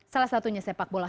salah satunya sepak bola